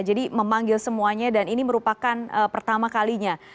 jadi memanggil semuanya dan ini merupakan pertama kalinya